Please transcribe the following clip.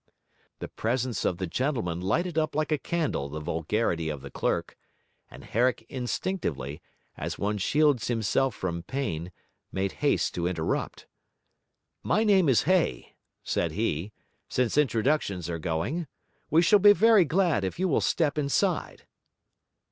The presence of the gentleman lighted up like a candle the vulgarity of the clerk; and Herrick instinctively, as one shields himself from pain, made haste to interrupt. 'My name is Hay,' said he, 'since introductions are going. We shall be very glad if you will step inside.'